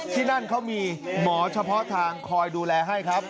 ที่นั่นเขามีหมอเฉพาะทางคอยดูแลให้ครับ